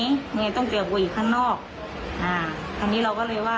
มึงไงมึงต้องจุดฮ่าอีกข้างนอกทีนี้เราก็เลยว่าอ่ะ